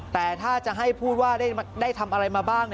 แต่ถ้าจะให้พูดว่าได้ทำอะไรมาบ้าง